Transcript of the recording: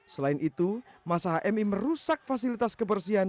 selain itu masa hmi merusak fasilitas kebersihan